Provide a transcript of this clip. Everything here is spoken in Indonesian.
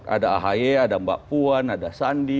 ada ahi mbak puan sandi